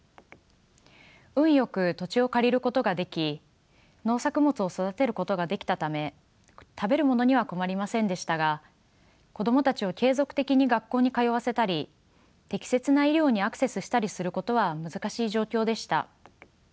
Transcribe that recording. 運よく土地を借りることができ農作物を育てることができたため食べるものには困りませんでしたが子供たちを継続的に学校に通わせたり適切な医療にアクセスしたりすることは難しい状況でした。